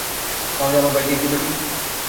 তাহলে, আমার ভাইকে একটু দেখো?